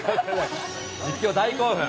実況大興奮。